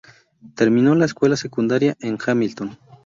Terminó la escuela secundaria en Hamilton.